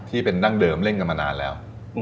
ที่เป็นดั้งเดิมเล่นกันมานานแล้ว